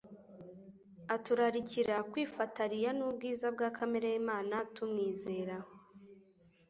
Aturarikira kwifatariya n'ubwiza bwa kamere y'Imana tumwizera.